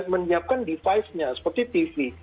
menyiapkan device nya seperti tv